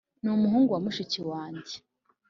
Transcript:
ni umuhungu wa mushiki wanjye.